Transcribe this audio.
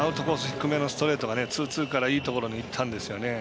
低めのストレートがツーツーからいいところにいったんですね。